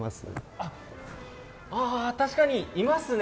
あっ、ああ、確かにいますね。